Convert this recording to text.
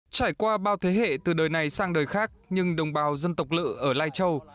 trải qua bao thế hệ từ đời này sang đời khác nhưng đồng bào dân tộc lự ở lai châu